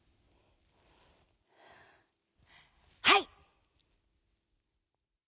「はい！」。